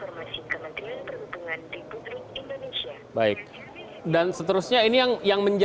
informasi kementerian perhubungan di buderung indonesia